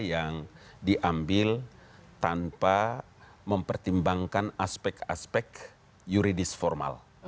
yang diambil tanpa mempertimbangkan aspek aspek yuridis formal